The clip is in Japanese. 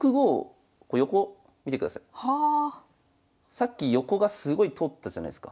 さっき横がすごい通ったじゃないすか。